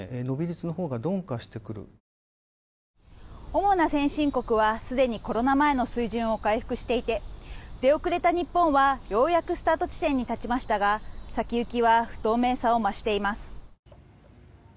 主な先進国はすでにコロナ前の水準を回復していて出遅れた日本はようやくスタート地点に立ちましたが先行きは不透明さを増しています。